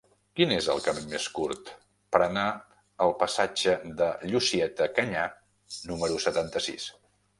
Quin és el camí més curt per anar al passatge de Llucieta Canyà número setanta-sis?